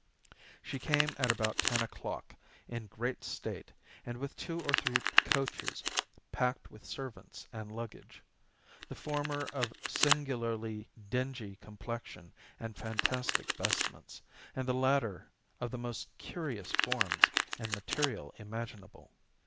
She came at about ten o'clock, in great state, and with two or three coaches packed with servants and luggage the former of singularly dingy complexion and fantastic vestments, and the latter of the most curious forms and material imaginable.